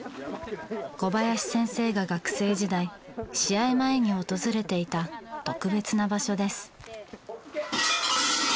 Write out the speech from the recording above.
小林先生が学生時代試合前に訪れていた特別な場所です。